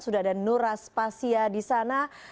sudah ada nur aspasia disana